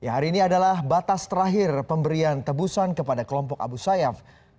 hari ini adalah batas terakhir pemberian tebusan kepada kelompok abu sayyaf